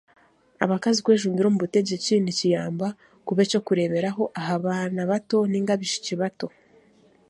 Abakazi kwejumbira omu butegyeki nikiyamba kuba ekyokureeberaho aha baana bato nainga abaishiki bato